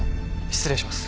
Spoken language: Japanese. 失礼します。